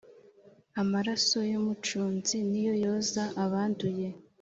amaraso y’umucunzi niyo yoza abanduye